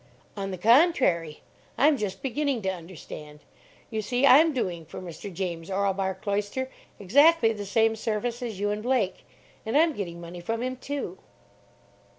"On the contrary, I'm just beginning to understand. You see, I'm doing for Mr. James Orlebar Cloyster exactly the same service as you and Blake. And I'm getting money from him, too."